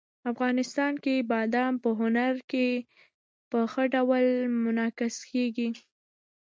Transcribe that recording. افغانستان کې بادام په هنر کې په ښه ډول منعکس کېږي.